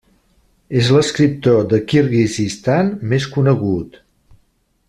És l'escriptor de Kirguizistan més conegut.